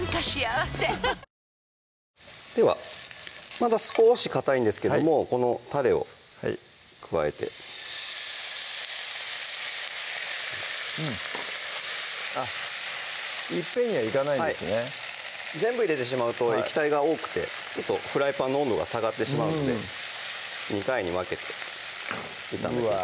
まだ少しかたいんですけどもこのたれを加えてあっいっぺんにはいかないんですね全部入れてしまうと液体が多くてフライパンの温度が下がってしまうので２回に分けて炒めていきます